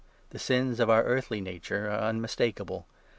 The 19 sins of our earthly nature are unmistakeable.